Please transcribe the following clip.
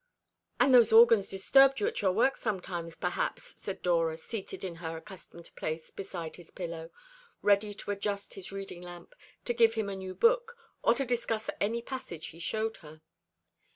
"And those organs disturbed you at your work sometimes, perhaps," said Dora, seated in her accustomed place beside his pillow, ready to adjust his reading lamp, to give him a new book, or to discuss any passage he showed her.